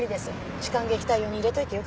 痴漢撃退用に入れといてよかった。